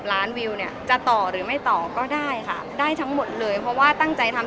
ล้านวิวเนี่ยจะต่อหรือไม่ต่อก็ได้ค่ะได้ทั้งหมดเลยเพราะว่าตั้งใจทำ